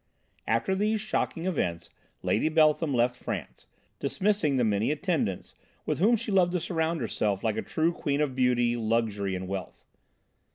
After these shocking events Lady Beltham left France, dismissing the many attendants with whom she loved to surround herself like a true queen of beauty, luxury and wealth.